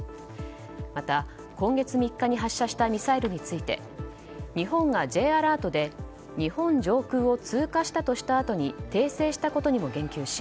また、今月３日に発射したミサイルについて日本がＪアラートで日本上空を通過したとしたあとに訂正したことにも言及し